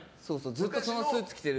ずっとそのスーツ着てる。